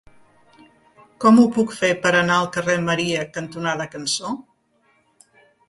Com ho puc fer per anar al carrer Maria cantonada Cançó?